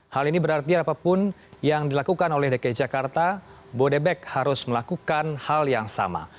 hal ini berarti apapun yang dilakukan oleh dki jakarta bodebek harus melakukan hal yang sama